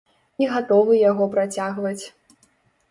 І гатовы яго працягваць.